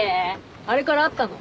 あれから会ったの？